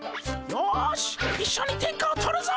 よし一緒に天下を取るぞ！